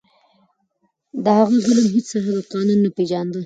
د هغه ظلم هیڅ سرحد او قانون نه پېژانده.